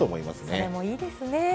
それもいいですね。